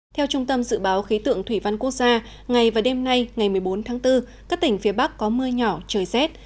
theo trung tâm dự báo khí tượng thủy văn quốc gia ngày và đêm nay ngày một mươi bốn tháng bốn các tỉnh phía bắc có mưa nhỏ trời rét